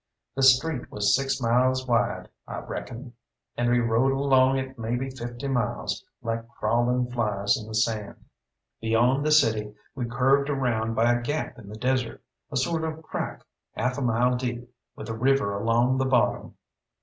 The street was six miles wide, I reckon, and we rode along it maybe fifty miles, like crawling flies in the sand. Beyond the city we curved around by a gap in the desert, a sort of crack half a mile deep, with a river along the bottom.